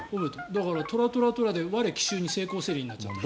だから、トラトラトラで我、奇襲に成功せりになっちゃった。